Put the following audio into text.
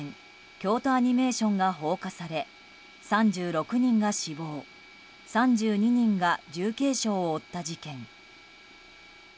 京都アニメーションが放火され３６人が死亡３２人が重軽傷を負った事件。